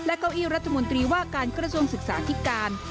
เก้าอี้รัฐมนตรีว่าการกระทรวงศึกษาธิการ